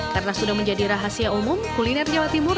karena sudah menjadi rahasia umum kuliner jawa timur